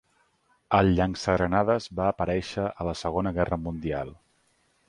El llançagranades va aparèixer a la Segona Guerra Mundial.